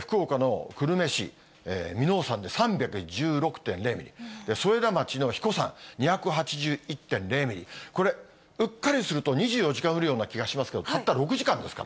福岡の久留米市耳納山で３１６．０ミリ、添田町の英彦山、２８１．０ミリ、これ、うっかりすると２４時間雨量な気がしますけれどたった６時間？